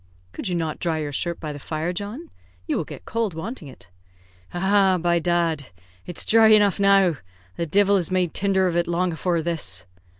"Could you not dry your shirt by the fire, John? You will get cold wanting it." "Aha, by dad! it's dhry enough now. The divil has made tinder of it long afore this."